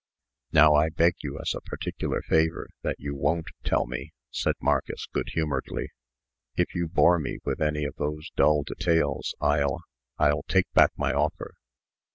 "Now I beg, as a particular favor, that you won't tell me," said Marcus, goodhumoredly. "If you bore me with any of those dull details, I'll I'll take back my offer.